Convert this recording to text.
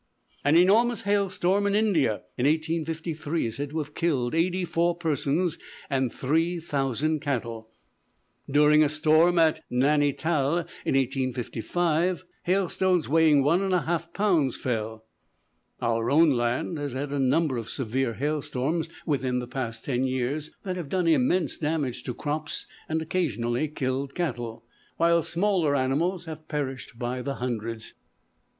An enormous hail storm in India, in 1853, is said to have killed eighty four persons and three thousand cattle. During a storm at Naini Tal, in 1855, hailstones weighing one and one half pounds fell. Our own land has had a number of severe hail storms within the past ten years, that have done immense damage to crops, and occasionally killed cattle, while smaller animals have perished by hundreds.